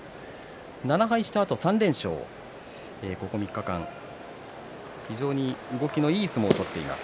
７敗したあと３連勝ここ３日間いい相撲を取っています。